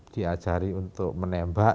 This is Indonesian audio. diajari untuk menembak